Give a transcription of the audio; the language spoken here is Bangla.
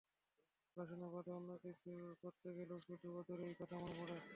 পড়াশোনা বাদে অন্য কিছু করতে গেলেও শুধু ওদেরই কথা মনে পড়ে।